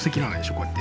こうやって。